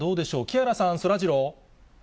木原さん、そらジロー。